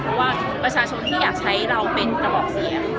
เพราะว่าประชาชนที่อยากใช้เราเป็นกระบอกเสียง